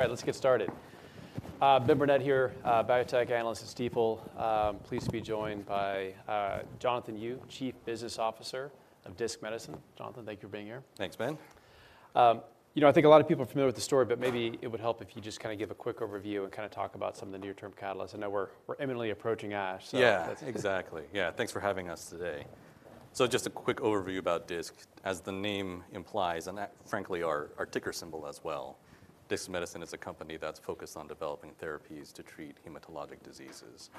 All right, let's get started. Ben Burnett here, Biotech Analyst at Stifel. Pleased to be joined by, Jonathan Yu, Chief Business Officer of Disc Medicine. Jonathan, thank you for being here. Thanks, Ben. You know, I think a lot of people are familiar with the story, but maybe it would help if you just kind of give a quick overview and kind of talk about some of the near-term catalysts. I know we're imminently approaching ASH, so- Yeah, exactly. Yeah, thanks for having us today. So just a quick overview about Disc. As the name implies, and that frankly, our, our ticker symbol as well, Disc Medicine is a company that's focused on developing therapies to treat hematologic diseases.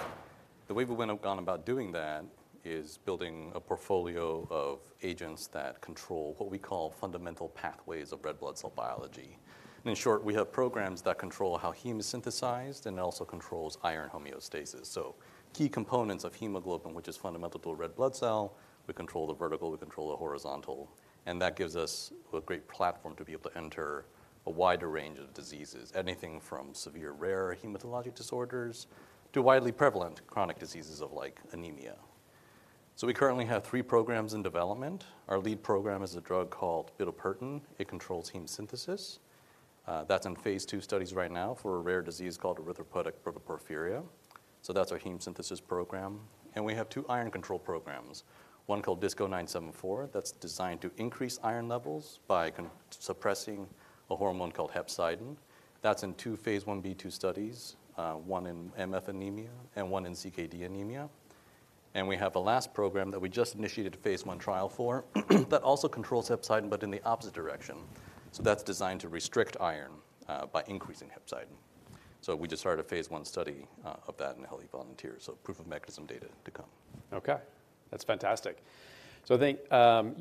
The way we've went on about doing that is building a portfolio of agents that control what we call fundamental pathways of red blood cell biology. And in short, we have programs that control how heme is synthesized and also controls iron homeostasis. So key components of hemoglobin, which is fundamental to a red blood cell, we control the vertical, we control the horizontal, and that gives us a great platform to be able to enter a wider range of diseases, anything from severe rare hematologic disorders to widely prevalent chronic diseases of like anemia. So we currently have three programs in development. Our lead program is a drug called bitopertin. It controls heme synthesis. That's in phase II studies right now for a rare disease called erythropoietic protoporphyria. So that's our heme synthesis program, and we have two iron control programs, one called DISC-0974, that's designed to increase iron levels by suppressing a hormone called hepcidin. That's in two phase I-B/II studies, one in MF anemia and one in CKD anemia. And we have a last program that we just initiated a phase I trial for, that also controls hepcidin, but in the opposite direction. So that's designed to restrict iron, by increasing hepcidin. So we just started a phase I study of that in healthy volunteers, so proof of mechanism data to come. Okay, that's fantastic. So I think,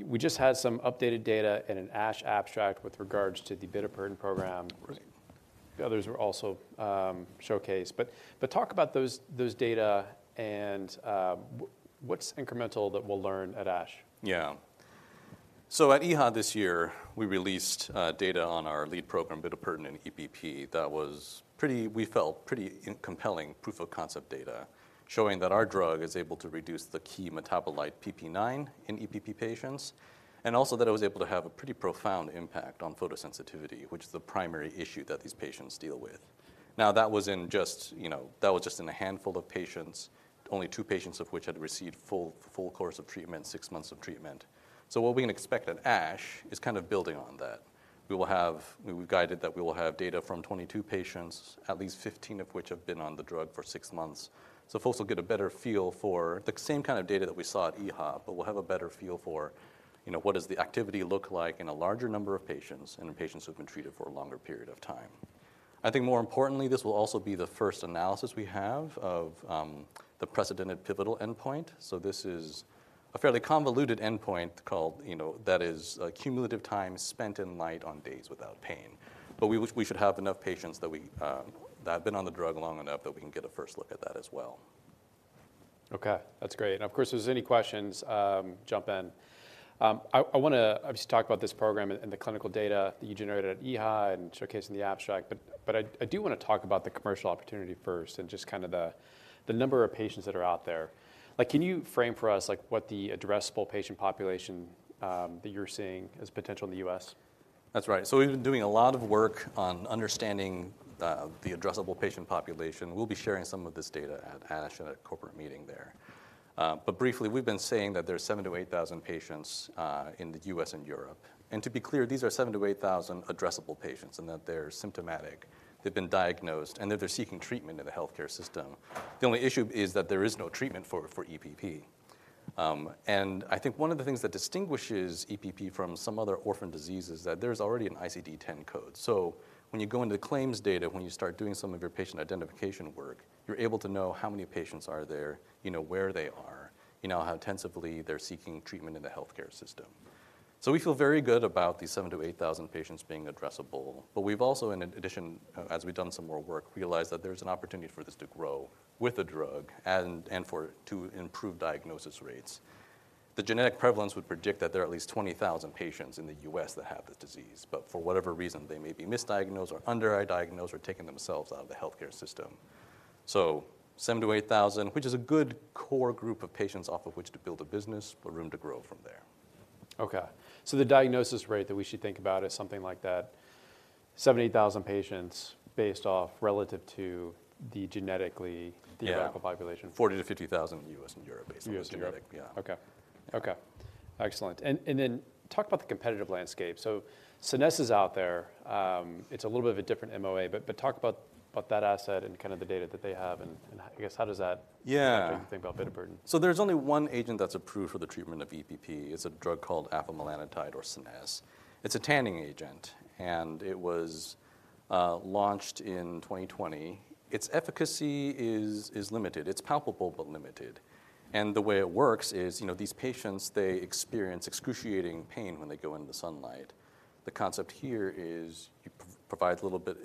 we just had some updated data in an ASH abstract with regards to the bitopertin program. Right. The others were also showcased, but talk about those data and what's incremental that we'll learn at ASH? Yeah. So at EHA this year, we released data on our lead program, bitopertin in EPP, that was pretty—we felt pretty compelling proof of concept data, showing that our drug is able to reduce the key metabolite, PPIX, in EPP patients, and also that it was able to have a pretty profound impact on photosensitivity, which is the primary issue that these patients deal with. Now, that was in just, you know, that was just in a handful of patients, only two patients of which had received full course of treatment, six months of treatment. So what we can expect at ASH is kind of building on that. We will have—we've guided that we will have data from 22 patients, at least 15 of which have been on the drug for six months. So folks will get a better feel for the same kind of data that we saw at EHA, but we'll have a better feel for, you know, what does the activity look like in a larger number of patients and in patients who've been treated for a longer period of time. I think more importantly, this will also be the first analysis we have of the precedented pivotal endpoint. So this is a fairly convoluted endpoint called, you know, that is cumulative time spent in light on days without pain. But we should have enough patients that we that have been on the drug long enough that we can get a first look at that as well. Okay, that's great. And of course, if there's any questions, jump in. I wanna obviously talk about this program and the clinical data that you generated at EHA and showcasing the abstract, but I do wanna talk about the commercial opportunity first and just kind of the number of patients that are out there. Like, can you frame for us, like, what the addressable patient population that you're seeing as potential in the US? That's right. So we've been doing a lot of work on understanding the addressable patient population. We'll be sharing some of this data at ASH in a corporate meeting there. But briefly, we've been saying that there are 7-8 thousand patients in the U.S. and Europe. And to be clear, these are 7-8 thousand addressable patients, and that they're symptomatic, they've been diagnosed, and that they're seeking treatment in the healthcare system. The only issue is that there is no treatment for EPP. And I think one of the things that distinguishes EPP from some other orphan diseases is that there's already an ICD-10 code. So when you go into the claims data, when you start doing some of your patient identification work, you're able to know how many patients are there, you know where they are, you know how intensively they're seeking treatment in the healthcare system. So we feel very good about these 7,000-8,000 patients being addressable. But we've also, in addition, as we've done some more work, realized that there's an opportunity for this to grow with the drug and, and for it to improve diagnosis rates. The genetic prevalence would predict that there are at least 20,000 patients in the U.S. that have this disease, but for whatever reason, they may be misdiagnosed or under-diagnosed or taken themselves out of the healthcare system. So 7,000-8,000, which is a good core group of patients off of which to build a business, but room to grow from there. Okay. So the diagnosis rate that we should think about is something like that, 7,000-8,000 patients based off relative to the genetically- Yeah the applicable population. 40-50 thousand in U.S. and Europe, based on- U.S. and Europe. Yeah. Okay. Okay, excellent. And then talk about the competitive landscape. So Scenesse is out there. It's a little bit of a different MOA, but talk about that asset and kind of the data that they have and I guess, how does that- Yeah make you think about bitopertin? So there's only one agent that's approved for the treatment of EPP. It's a drug called afamelanotide or Scenesse. It's a tanning agent, and it was launched in 2020. Its efficacy is limited. It's palpable, but limited. And the way it works is, you know, these patients, they experience excruciating pain when they go in the sunlight. The concept here is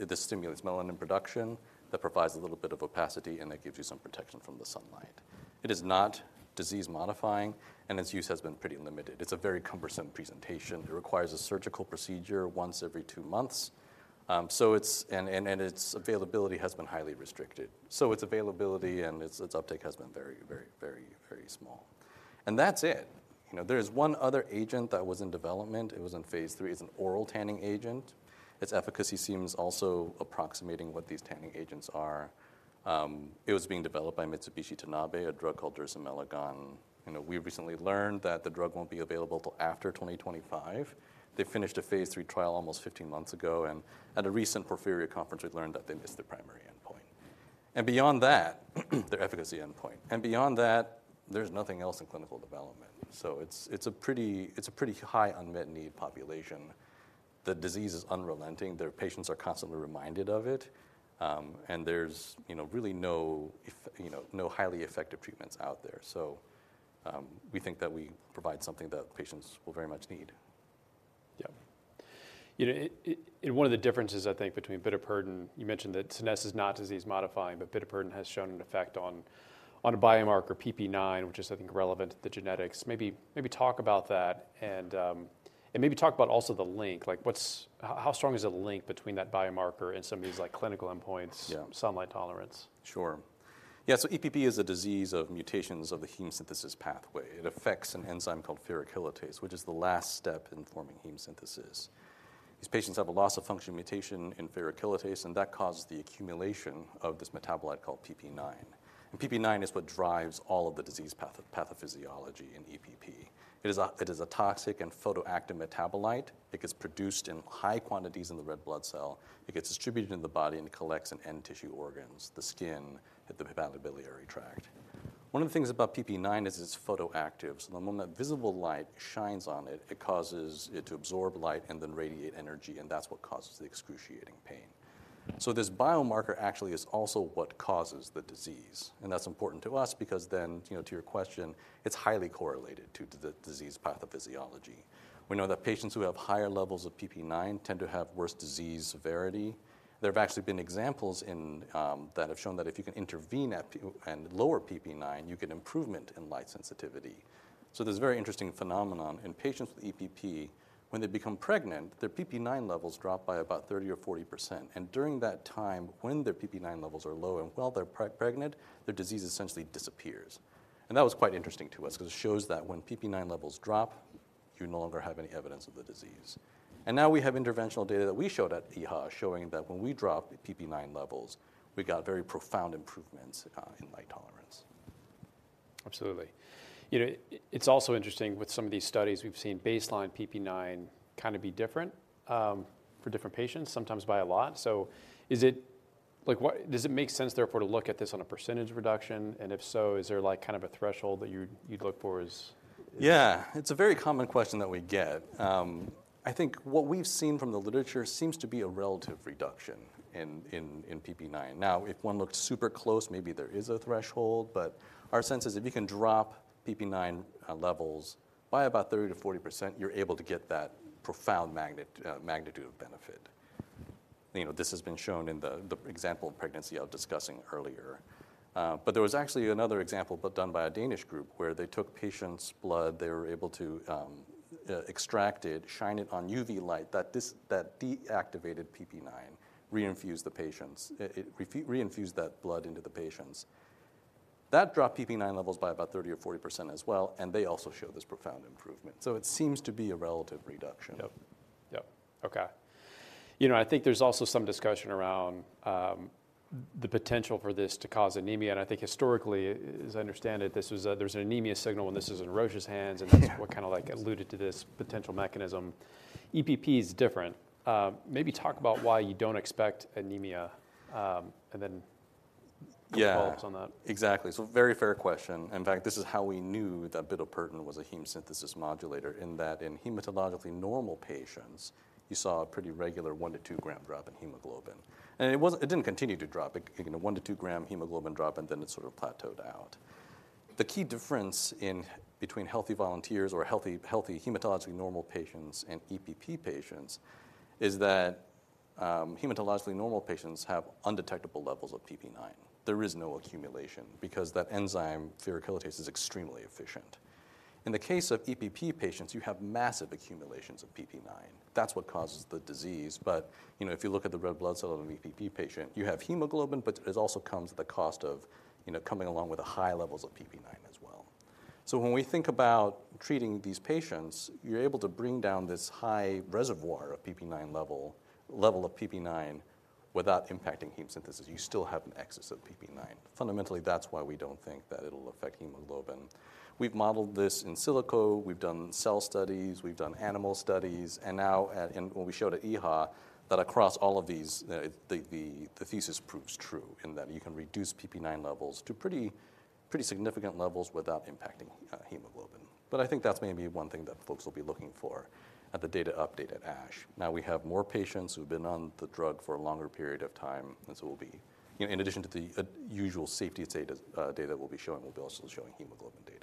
this stimulates melanin production, that provides a little bit of opacity, and that gives you some protection from the sunlight. It is not disease-modifying, and its use has been pretty limited. It's a very cumbersome presentation. It requires a surgical procedure once every two months. And its availability has been highly restricted. So its availability and its uptake has been very, very, very, very small. And that's it. You know, there's one other agent that was in development. It was in phase III. It's an oral tanning agent. Its efficacy seems also approximating what these tanning agents are. It was being developed by Mitsubishi Tanabe, a drug called dersimelagon. You know, we recently learned that the drug won't be available till after 2025. They finished a phase III trial almost 15 months ago, and at a recent porphyria conference, we learned that they missed their primary endpoint. And beyond that, their efficacy endpoint. And beyond that, there's nothing else in clinical development. So it's, it's a pretty, it's a pretty high unmet need population. The disease is unrelenting. The patients are constantly reminded of it, and there's, you know, really no you know, no highly effective treatments out there. So, we think that we provide something that patients will very much need. Yeah. You know, I, and one of the differences, I think, between bitopertin, you mentioned that Scenesse is not disease-modifying, but bitopertin has shown an effect on, on a biomarker, PPIX, which is, I think, relevant to the genetics. Maybe, maybe talk about that, and, and maybe talk about also the link, like, what's how, how strong is the link between that biomarker and some of these, like, clinical endpoints- Yeah... sunlight tolerance? Sure. Yeah, so EPP is a disease of mutations of the heme synthesis pathway. It affects an enzyme called ferrochelatase, which is the last step in forming heme synthesis. These patients have a loss-of-function mutation in ferrochelatase, and that causes the accumulation of this metabolite called PPIX. And PPIX is what drives all of the disease pathophysiology in EPP. It is a toxic and photoactive metabolite. It gets produced in high quantities in the red blood cell. It gets distributed in the body, and it collects in end tissue organs, the skin, and the biliary tract. One of the things about PPIX is it's photoactive, so the moment that visible light shines on it, it causes it to absorb light and then radiate energy, and that's what causes the excruciating pain. So this biomarker actually is also what causes the disease, and that's important to us because then, you know, to your question, it's highly correlated to, to the disease pathophysiology. We know that patients who have higher levels of PPIX tend to have worse disease severity. There have actually been examples in that have shown that if you can intervene at and lower PPIX, you get improvement in light sensitivity. So there's a very interesting phenomenon in patients with EPP. When they become pregnant, their PPIX levels drop by about 30% or 40%, and during that time, when their PPIX levels are low and while they're pregnant, their disease essentially disappears. And that was quite interesting to us 'cause it shows that when PPIX levels drop, you no longer have any evidence of the disease. Now we have interventional data that we showed at EHA, showing that when we drop the PPIX levels, we got very profound improvements in light tolerance. Absolutely. You know, it's also interesting with some of these studies, we've seen baseline PPIX kind of be different for different patients, sometimes by a lot. So is it like what does it make sense, therefore, to look at this on a percentage reduction? And if so, is there like kind of a threshold that you'd look for as- Yeah, it's a very common question that we get. I think what we've seen from the literature seems to be a relative reduction in PPIX. Now, if one looked super close, maybe there is a threshold, but our sense is if you can drop PPIX levels by about 30%-40%, you're able to get that profound magnitude of benefit. You know, this has been shown in the example of pregnancy I was discussing earlier. But there was actually another example, done by a Danish group, where they took patients' blood, they were able to extract it, shine it on UV light, that deactivated PPIX, reinfuse that blood into the patients. That dropped PPIX levels by about 30% or 40% as well, and they also showed this profound improvement. So it seems to be a relative reduction. Yep. Yep. Okay. You know, I think there's also some discussion around the potential for this to cause anemia, and I think historically, as I understand it, there was an anemia signal when this was in Roche's hands, and that's what kind of, like, alluded to this potential mechanism. EPP is different. Maybe talk about why you don't expect anemia, and then- Yeah thoughts on that. Exactly. So very fair question. In fact, this is how we knew that bitopertin was a heme synthesis modulator, in that in hematologically normal patients, you saw a pretty regular 1-2-gram drop in hemoglobin. And it wasn't, it didn't continue to drop. It, you know, 1-2-gram hemoglobin drop, and then it sort of plateaued out. The key difference between healthy volunteers or healthy hematologically normal patients and EPP patients is that, hematologically normal patients have undetectable levels of PPIX. There is no accumulation because that enzyme, ferrochelatase, is extremely efficient. In the case of EPP patients, you have massive accumulations of PPIX. That's what causes the disease, but, you know, if you look at the red blood cell of an EPP patient, you have hemoglobin, but it also comes at the cost of, you know, coming along with the high levels of PPIX as well. So when we think about treating these patients, you're able to bring down this high reservoir of PPIX level, level of PPIX, without impacting heme synthesis. You still have an excess of PPIX. Fundamentally, that's why we don't think that it'll affect hemoglobin. We've modeled this in silico, we've done cell studies, we've done animal studies, and now and what we showed at EHA, that across all of these, the thesis proves true, in that you can reduce PPIX levels to pretty, pretty significant levels without impacting hemoglobin. I think that's maybe one thing that folks will be looking for at the data update at ASH. Now, we have more patients who've been on the drug for a longer period of time, and so we'll be... You know, in addition to the usual safety data, data we'll be showing, we'll be also showing hemoglobin data.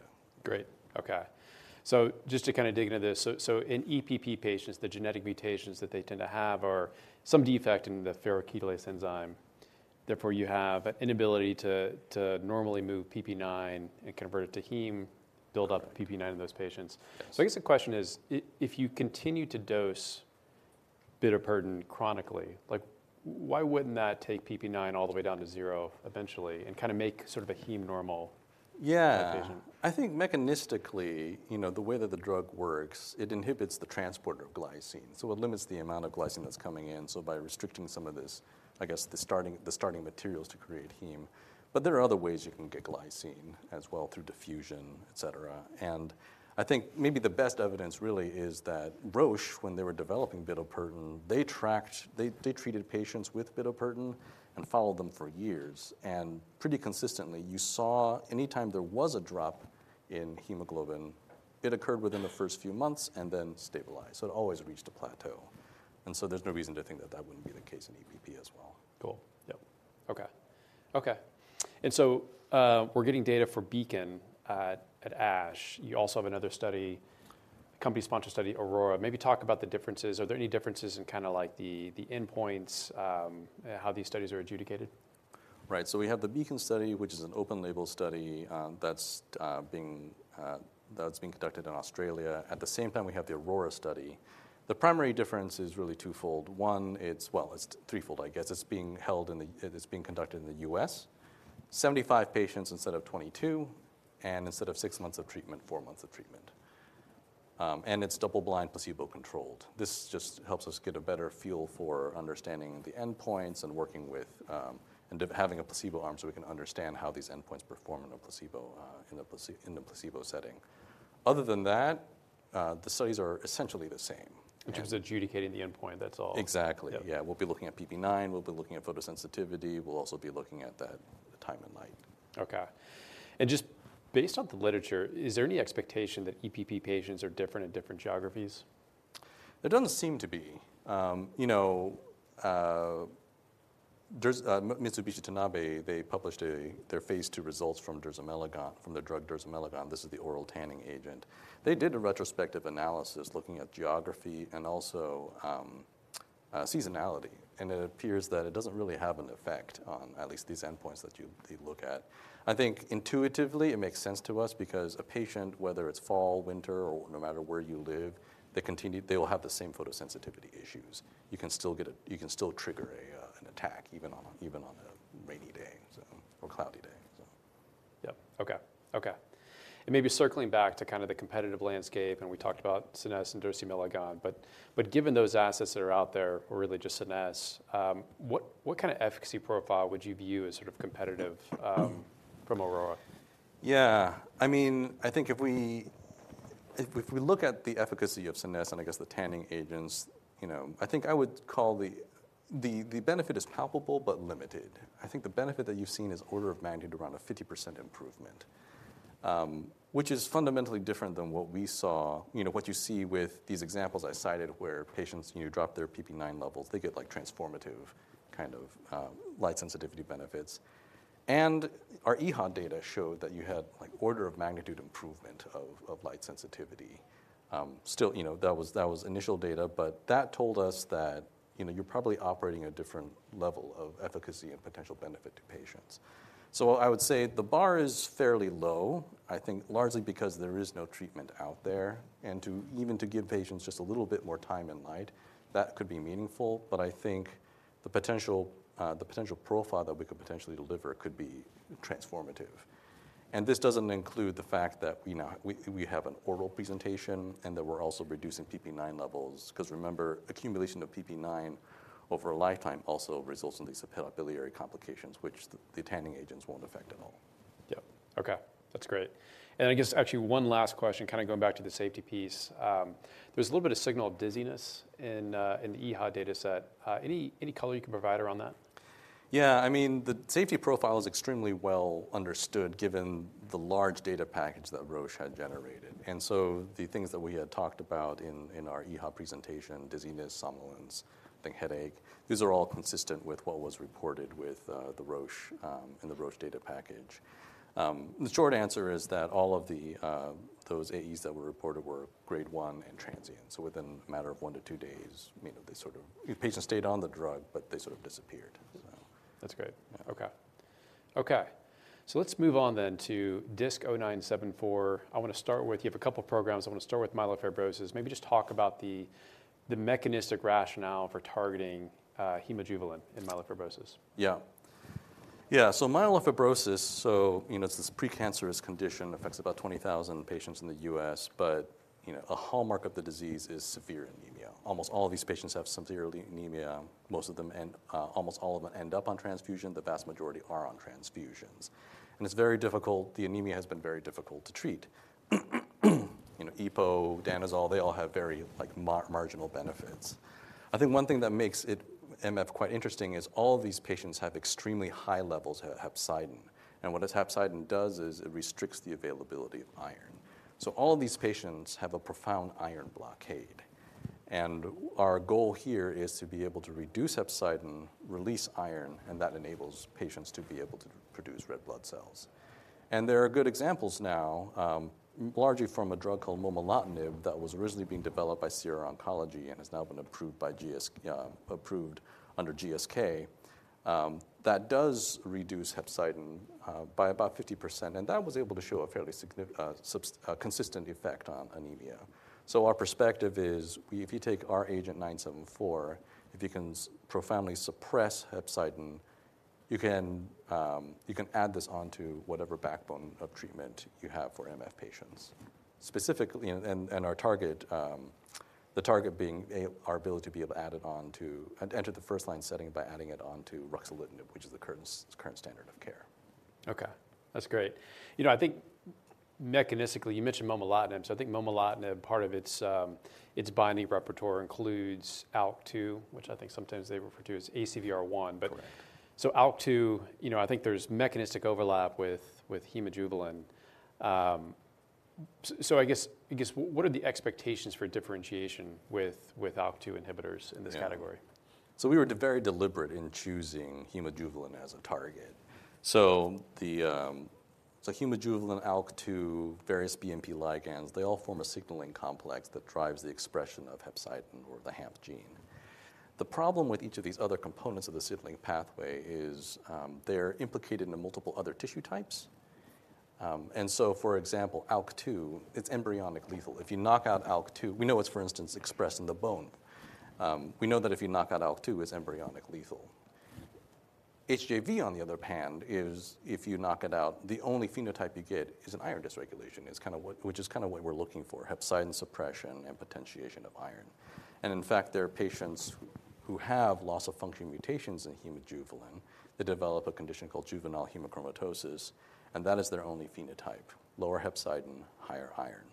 Great. Okay. So just to kind of dig into this, so in EPP patients, the genetic mutations that they tend to have are some defect in the ferrochelatase enzyme, therefore, you have an inability to normally move PPIX and convert it to heme, build up PPIX in those patients. So I guess the question is, if you continue to dose bitopertin chronically? Like, why wouldn't that take PPIX all the way down to zero eventually, and kind of make sort of a heme normal- Yeah- -condition?... I think mechanistically, you know, the way that the drug works, it inhibits the transport of glycine, so it limits the amount of glycine that's coming in. So by restricting some of this, I guess, the starting materials to create heme. But there are other ways you can get glycine as well, through diffusion, et cetera. And I think maybe the best evidence really is that Roche, when they were developing bitopertin, they treated patients with bitopertin and followed them for years. And pretty consistently, you saw anytime there was a drop in hemoglobin, it occurred within the first few months and then stabilized. So it always reached a plateau. And so there's no reason to think that that wouldn't be the case in EPP as well. Cool. Yep. Okay. Okay. And so, we're getting data for BEACON at ASH. You also have another study, a company-sponsored study, AURORA. Maybe talk about the differences. Are there any differences in kind of like the endpoints, how these studies are adjudicated? Right. So we have the BEACON study, which is an open-label study, that's being conducted in Australia. At the same time, we have the AURORA study. The primary difference is really twofold. One, it's, well, it's threefold, I guess. It is being conducted in the U.S., 75 patients instead of 22, and instead of six months of treatment, four months of treatment. And it's double-blind, placebo-controlled. This just helps us get a better feel for understanding the endpoints and working with... And having a placebo arm, so we can understand how these endpoints perform in a placebo, in a placebo setting. Other than that, the studies are essentially the same. Which is adjudicating the endpoint, that's all. Exactly. Yeah. Yeah, we'll be looking at PPIX, we'll be looking at photosensitivity, we'll also be looking at the time and light. Okay. Just based on the literature, is there any expectation that EPP patients are different in different geographies? There doesn't seem to be. You know, there's Mitsubishi Tanabe. They published their phase II results from dersimelagon, from the drug dersimelagon. This is the oral tanning agent. They did a retrospective analysis looking at geography and also seasonality, and it appears that it doesn't really have an effect on at least these endpoints that you, they look at. I think intuitively, it makes sense to us because a patient, whether it's fall, winter, or no matter where you live, they continue, they will have the same photosensitivity issues. You can still trigger an attack, even on a rainy day, so, or cloudy day, so. Yep. Okay, okay. Maybe circling back to kind of the competitive landscape, and we talked about Scenesse and dersimelagon, but, but given those assets that are out there, or really just Scenesse, what, what kind of efficacy profile would you view as sort of competitive, from AURORA? Yeah. I mean, I think if we look at the efficacy of Scenesse and I guess the tanning agents, you know, I think I would call the benefit is palpable but limited. I think the benefit that you've seen is order of magnitude around a 50% improvement, which is fundamentally different than what we saw, you know, what you see with these examples I cited, where patients, you know, drop their PPIX levels, they get, like, transformative kind of light sensitivity benefits. And our EHA data showed that you had, like, order of magnitude improvement of light sensitivity. Still, you know, that was initial data, but that told us that, you know, you're probably operating a different level of efficacy and potential benefit to patients. So I would say the bar is fairly low, I think largely because there is no treatment out there, and even to give patients just a little bit more time and light, that could be meaningful. But I think the potential, the potential profile that we could potentially deliver could be transformative. And this doesn't include the fact that, you know, we have an oral presentation and that we're also reducing PPIX levels. Because remember, accumulation of PPIX over a lifetime also results in these biliary complications, which the tanning agents won't affect at all. Yep. Okay, that's great. And I guess, actually, one last question, kind of going back to the safety piece. There's a little bit of signal of dizziness in the EHA data set. Any, any color you can provide around that? Yeah, I mean, the safety profile is extremely well understood, given the large data package that Roche had generated. And so the things that we had talked about in our EHA presentation, dizziness, somnolence, I think headache, these are all consistent with what was reported with the Roche in the Roche data package. The short answer is that all of those AEs that were reported were grade one and transient. So within a matter of one to two days, you know, they sort of... The patients stayed on the drug, but they sort of disappeared, so. That's great. Yeah. Okay. Okay, so let's move on then to DISC-0974. I want to start with... You have a couple of programs. I want to start with myelofibrosis. Maybe just talk about the mechanistic rationale for targeting hemojuvelin in myelofibrosis. Yeah. Yeah, so myelofibrosis, so, you know, it's this precancerous condition, affects about 20,000 patients in the U.S., but, you know, a hallmark of the disease is severe anemia. Almost all of these patients have severe anemia. Most of them end, almost all of them end up on transfusion, the vast majority are on transfusions. It's very difficult, the anemia has been very difficult to treat. You know, EPO, danazol, they all have very, like, marginal benefits. I think one thing that makes it, MF, quite interesting is all these patients have extremely high levels of hepcidin. And what this hepcidin does is it restricts the availability of iron. So all these patients have a profound iron blockade, and our goal here is to be able to reduce hepcidin, release iron, and that enables patients to be able to produce red blood cells. And there are good examples now, largely from a drug called momelotinib, that was originally being developed by Sierra Oncology and has now been approved by GSK, that does reduce hepcidin by about 50%, and that was able to show a fairly significant, substantial, consistent effect on anemia. So our perspective is, if you take our agent 974, if you can profoundly suppress hepcidin, you can add this onto whatever backbone of treatment you have for MF patients. Specifically, our target, the target being our ability to be able to add it on to enter the first line setting by adding it on to ruxolitinib, which is the current standard of care. Okay, that's great. You know, I think mechanistically, you mentioned momelotinib, so I think momelotinib, part of its, its binding repertoire includes ALK2, which I think sometimes they refer to as ACVR1. Correct. So ALK2, you know, I think there's mechanistic overlap with, with hemojuvelin. So I guess, I guess what are the expectations for differentiation with, with ALK2 inhibitors? Yeah... in this category? So we were very deliberate in choosing hemojuvelin as a target. So hemojuvelin, ALK2, various BMP ligands, they all form a signaling complex that drives the expression of hepcidin or the HAMP gene. The problem with each of these other components of the signaling pathway is, they're implicated in multiple other tissue types. And so, for example, ALK2, it's embryonic lethal. If you knock out ALK2, we know it's, for instance, expressed in the bone. We know that if you knock out ALK2, it's embryonic lethal. HJV, on the other hand, is if you knock it out, the only phenotype you get is an iron dysregulation. It's kind of what we're looking for, hepcidin suppression and potentiation of iron. In fact, there are patients who have loss-of-function mutations in hemojuvelin that develop a condition called juvenile hemochromatosis, and that is their only phenotype: lower hepcidin, higher iron.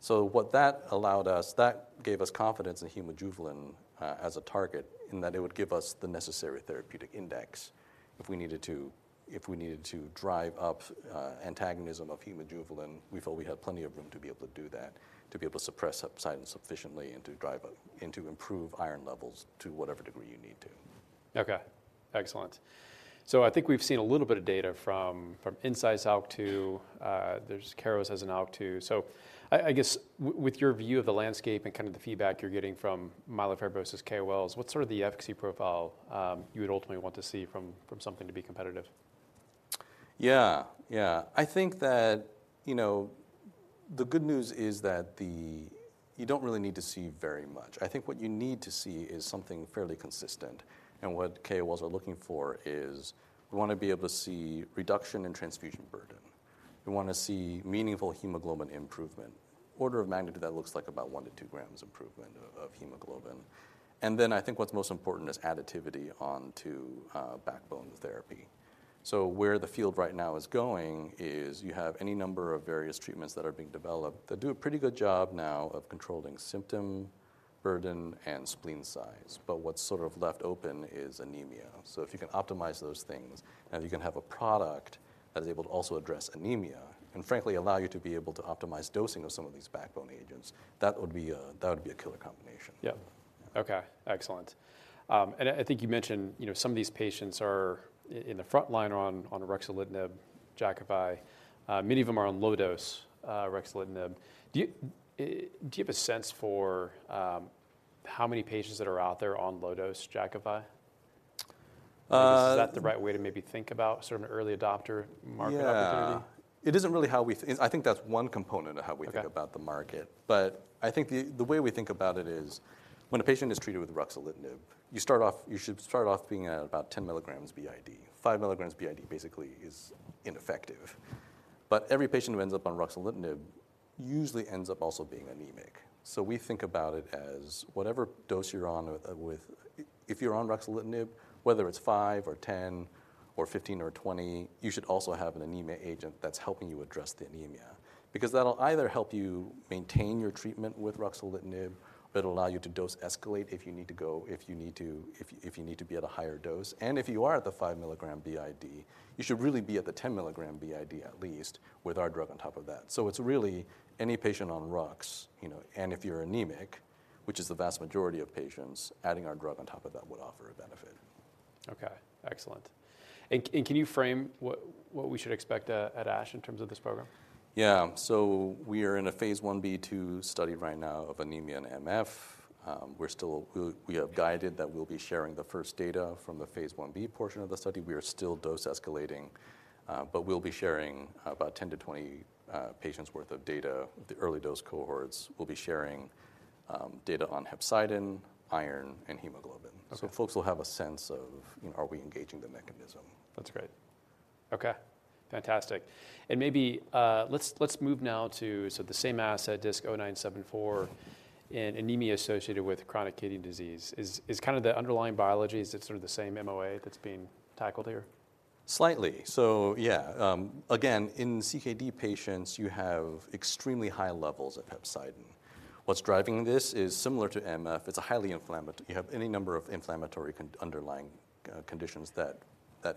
So what that allowed us, that gave us confidence in hemojuvelin as a target in that it would give us the necessary therapeutic index. If we needed to, if we needed to drive up antagonism of hemojuvelin, we felt we had plenty of room to be able to do that, to be able to suppress hepcidin sufficiently and to drive up and to improve iron levels to whatever degree you need to. Okay, excellent. So I think we've seen a little bit of data from Incyte's ALK2. Keros has an ALK2. So I guess with your view of the landscape and kind of the feedback you're getting from myelofibrosis KOLs, what's sort of the efficacy profile you would ultimately want to see from something to be competitive? Yeah, yeah. I think that, you know, the good news is that you don't really need to see very much. I think what you need to see is something fairly consistent, and what KOLs are looking for is: we wanna be able to see reduction in transfusion burden. We wanna see meaningful hemoglobin improvement. Order of magnitude, that looks like about 1-2 grams improvement of hemoglobin. And then I think what's most important is additivity onto backbone therapy. So where the field right now is going is you have any number of various treatments that are being developed that do a pretty good job now of controlling symptom burden and spleen size. But what's sort of left open is anemia. So if you can optimize those things, and if you can have a product that is able to also address anemia, and frankly, allow you to be able to optimize dosing of some of these backbone agents, that would be a, that would be a killer combination. Yeah. Okay, excellent. I think you mentioned, you know, some of these patients are in the front line on ruxolitinib, Jakafi. Many of them are on low-dose ruxolitinib. Do you have a sense for how many patients that are out there on low-dose Jakafi? Uh- Is that the right way to maybe think about sort of an early adopter market opportunity? Yeah. It isn't really how we... I think that's one component of how we- Okay... think about the market. But I think the way we think about it is, when a patient is treated with ruxolitinib, you start off—you should start off being at about 10 mg BID. 5 mg BID basically is ineffective. But every patient who ends up on ruxolitinib usually ends up also being anemic. So we think about it as whatever dose you're on with... If you're on ruxolitinib, whether it's 5 or 10 or 15 or 20, you should also have an anemia agent that's helping you address the anemia because that'll either help you maintain your treatment with ruxolitinib, but allow you to dose escalate if you need to go—if you need to be at a higher dose. If you are at the 5 mg BID, you should really be at the 10 mg BID at least with our drug on top of that. It's really any patient on rux, you know, and if you're anemic, which is the vast majority of patients, adding our drug on top of that would offer a benefit. Okay, excellent. And can you frame what we should expect at ASH in terms of this program? Yeah. So we are in a phase I-B/II study right now of anemia and MF. We're still. We have guided that we'll be sharing the first data from the phase I-B portion of the study. We are still dose escalating, but we'll be sharing about 10-20 patients' worth of data. The early dose cohorts will be sharing data on hepcidin, iron, and hemoglobin. Okay. Folks will have a sense of, you know, are we engaging the mechanism? That's great. Okay, fantastic. And maybe, let's move now to, so the same asset, DISC-0974, and anemia associated with chronic kidney disease. Is kind of the underlying biology, is it sort of the same MOA that's being tackled here? Slightly. So yeah, again, in CKD patients, you have extremely high levels of hepcidin. What's driving this is similar to MF, it's a highly inflammatory. You have any number of inflammatory underlying conditions that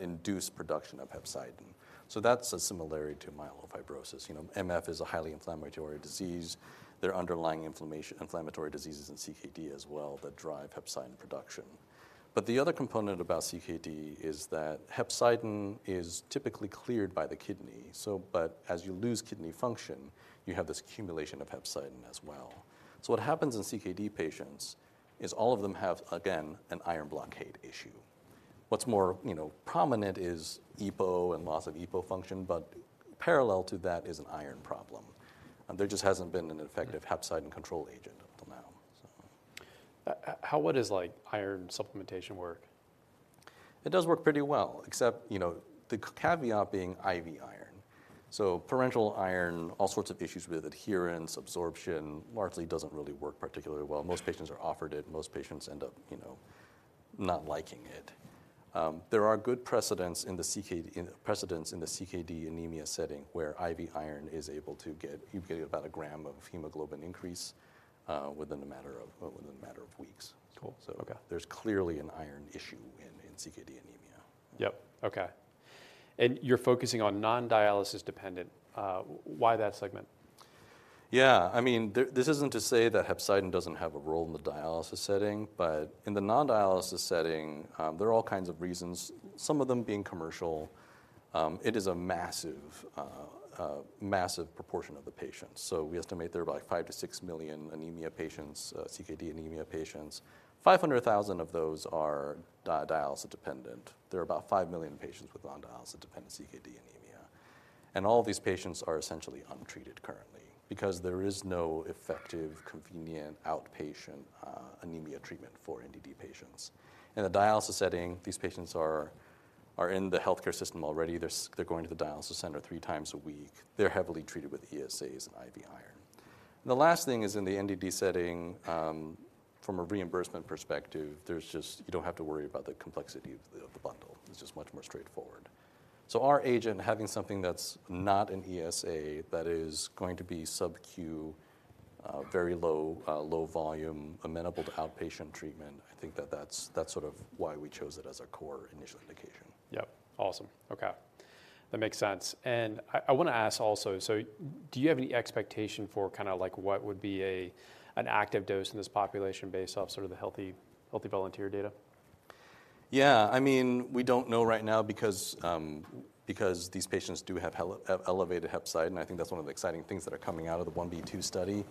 induce production of hepcidin. So that's a similarity to myelofibrosis. You know, MF is a highly inflammatory disease. There are underlying inflammatory diseases in CKD as well that drive hepcidin production. But the other component about CKD is that hepcidin is typically cleared by the kidney, so but as you lose kidney function, you have this accumulation of hepcidin as well. So what happens in CKD patients is all of them have, again, an iron blockade issue. What's more, you know, prominent is EPO and loss of EPO function, but parallel to that is an iron problem. And there just hasn't been an effective hepcidin control agent up till now, so. What is like iron supplementation work? It does work pretty well, except, you know, the caveat being IV iron. So parenteral iron, all sorts of issues with adherence, absorption, largely doesn't really work particularly well. Most patients are offered it, most patients end up, you know, not liking it. There are good precedents in the CKD anemia setting, where IV iron is able to get, you get about a gram of hemoglobin increase, within a matter of weeks. Cool. So- Okay. There's clearly an iron issue in CKD anemia. Yep. Okay. And you're focusing on non-dialysis dependent. Why that segment? Yeah, I mean, this isn't to say that hepcidin doesn't have a role in the dialysis setting, but in the non-dialysis setting, there are all kinds of reasons, some of them being commercial. It is a massive, massive proportion of the patients. So we estimate there are about 5 million-6 million anemia patients, CKD anemia patients. 500,000 of those are dialysis dependent. There are about 5 million patients with non-dialysis dependent CKD anemia, and all these patients are essentially untreated currently because there is no effective, convenient, outpatient, anemia treatment for NDD patients. In a dialysis setting, these patients are in the healthcare system already. They're going to the dialysis center three times a week. They're heavily treated with ESAs and IV iron. The last thing is in the NDD setting, from a reimbursement perspective, there's just you don't have to worry about the complexity of the bundle. It's just much more straightforward. So our agent, having something that's not an ESA, that is going to be subQ, very low volume, amenable to outpatient treatment, I think that's sort of why we chose it as our core initial indication. Yep. Awesome. Okay, that makes sense. And I, I wanna ask also, so do you have any expectation for kinda like what would be a, an active dose in this population based off sort of the healthy, healthy volunteer data? Yeah, I mean, we don't know right now because these patients do have elevated hepcidin, and I think that's one of the exciting things that are coming out of the I-B/II study.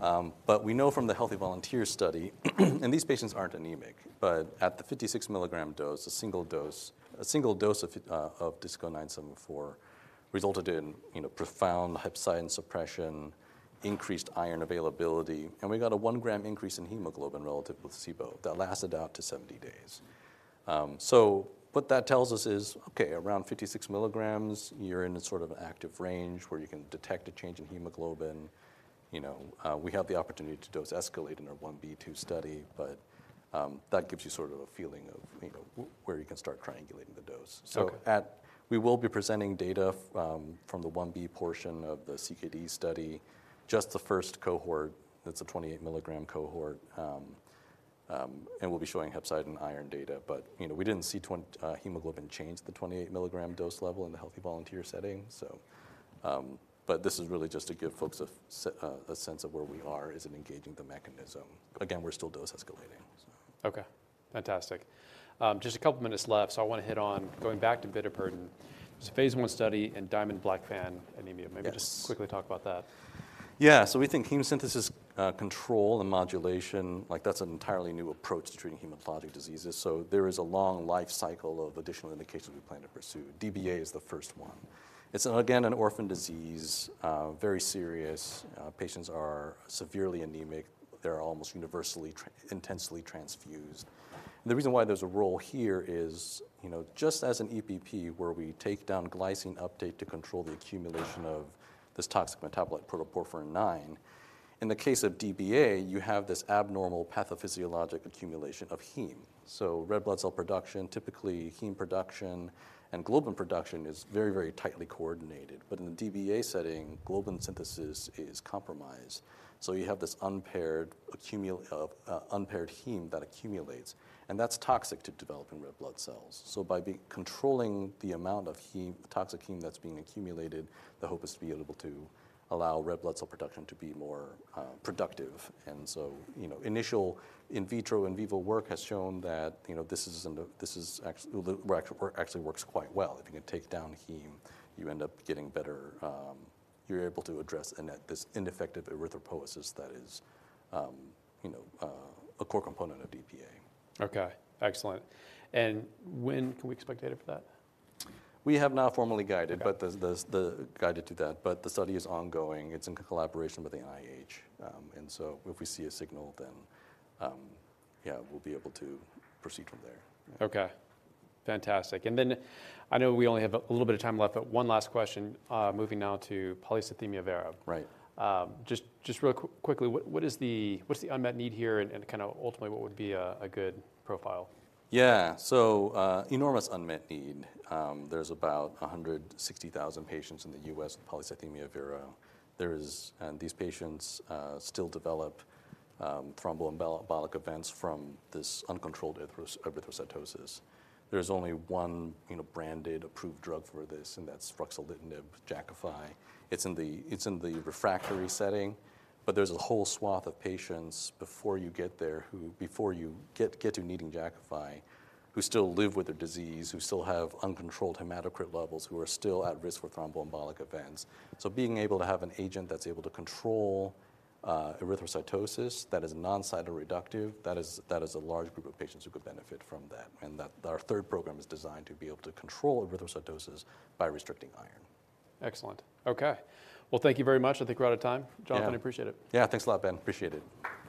But we know from the healthy volunteer study, and these patients aren't anemic, but at the 56 mg dose, a single dose, a single dose of DISC-0974 resulted in, you know, profound hepcidin suppression, increased iron availability, and we got a 1 gram increase in hemoglobin relative to placebo that lasted out to 70 days. So what that tells us is, okay, around 56 mg, you're in a sort of active range where you can detect a change in hemoglobin. You know, we have the opportunity to dose escalate in our I-B/II study, but that gives you sort of a feeling of, you know, where you can start triangulating the dose. Okay. So, we will be presenting data from the I-B portion of the CKD study, just the first cohort, that's a 28 mg cohort, and we'll be showing hepcidin iron data. But, you know, we didn't see hemoglobin change at the 28 mg dose level in the healthy volunteer setting, so, but this is really just to give folks a sense of where we are as in engaging the mechanism. Again, we're still dose escalating, so. Okay, fantastic. Just a couple of minutes left, so I wanna hit on going back to bitopertin. Yeah. It's a phase I study in Diamond-Blackfan anemia. Yes. Maybe just quickly talk about that. Yeah. So we think heme synthesis, control and modulation, like that's an entirely new approach to treating hematologic diseases, so there is a long life cycle of additional indications we plan to pursue. DBA is the first one. It's, again, an orphan disease, very serious, patients are severely anemic. They're almost universally intensely transfused. The reason why there's a role here is, you know, just as in EPP, where we take down glycine uptake to control the accumulation of this toxic metabolite, protoporphyrin IX, in the case of DBA, you have this abnormal pathophysiologic accumulation of heme. So red blood cell production, typically, heme production and globin production is very, very tightly coordinated, but in the DBA setting, globin synthesis is compromised. So you have this unpaired heme that accumulates, and that's toxic to developing red blood cells. So by controlling the amount of heme, toxic heme that's being accumulated, the hope is to be able to allow red blood cell production to be more productive. And so, you know, initial in vitro and in vivo work has shown that, you know, this actually works quite well. If you can take down heme, you end up getting better. You're able to address this ineffective erythropoiesis that is, you know, a core component of DBA. Okay, excellent. When can we expect data for that? We have not formally guided- Okay... but the guided to that, but the study is ongoing. It's in collaboration with the NIH. And so if we see a signal, then yeah, we'll be able to proceed from there. Okay, fantastic. And then, I know we only have a little bit of time left, but one last question, moving now to polycythemia vera. Right. Just, just really quickly, what is the, what's the unmet need here and kinda ultimately, what would be a good profile? Yeah. So, enormous unmet need. There's about 160,000 patients in the U.S. with polycythemia vera. And these patients still develop thromboembolic events from this uncontrolled erythrocytosis. There's only one, you know, branded, approved drug for this, and that's ruxolitinib Jakafi. It's in the refractory setting, but there's a whole swath of patients before you get there, before you get to needing Jakafi, who still live with the disease, who still have uncontrolled hematocrit levels, who are still at risk for thromboembolic events. So being able to have an agent that's able to control erythrocytosis, that is non-cytoreductive, that is a large group of patients who could benefit from that. And that, our third program is designed to be able to control erythrocytosis by restricting iron. Excellent. Okay. Well, thank you very much. I think we're out of time. Yeah. Jonathan, appreciate it. Yeah, thanks a lot, Ben. Appreciate it.